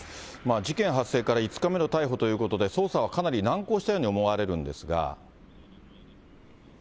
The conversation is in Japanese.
事件発生から５日目の逮捕ということで、捜査はかなり難航したように思われるんですが。